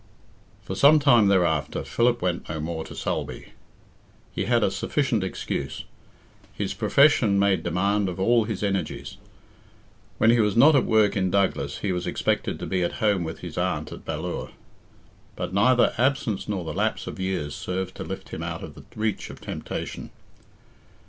For some time thereafter Philip went no more to Sulby. He had a sufficient excuse. His profession made demand of all his energies. When he was not at work in Douglas he was expected to be at home with his aunt at Ballure. But neither absence nor the lapse of years served to lift him out of the reach of temptation.